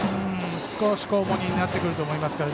少し重荷になってくると思いますから。